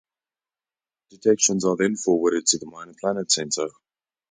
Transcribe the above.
Detections are then forwarded to the Minor Planet Center.